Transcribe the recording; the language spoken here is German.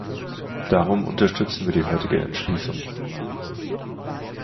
Darum unterstützen wir die heutige Entschließung.